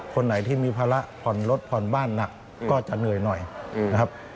คนไหนที่มีภาระผ่อนรถผ่อนบ้านหนักก็จะเหนื่อยหน่อยนะครับ